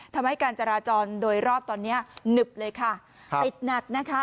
ทำให้การจราจรโดยรอบตอนเนี้ยหนึบเลยค่ะติดหนักนะคะ